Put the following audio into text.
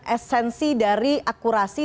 esensi dari akurasi